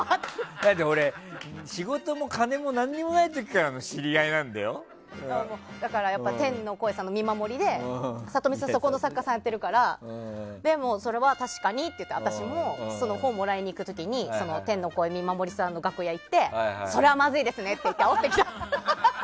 だって俺、仕事も金も何もないところからの天の声さんの見守りでサトミツさん放送作家やってるからそれは確かにって私も本をもらいに行く時に天の声見守りさんの楽屋に行ってそれは、まずいですねって言ってあおってきた。